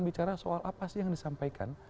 bicara soal apa sih yang disampaikan